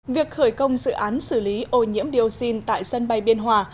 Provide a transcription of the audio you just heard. việc khởi công dự án xử lý ô nhiễm dioxin tại sân bay biên hòa